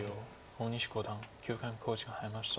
大西五段９回目の考慮時間に入りました。